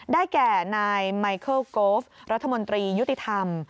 ได้แก่นายไมเคิลโกฟรัฐมนตรียุติธรรม